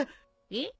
えっ？